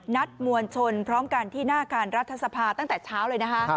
มวลชนพร้อมกันที่หน้าการรัฐสภาตั้งแต่เช้าเลยนะคะ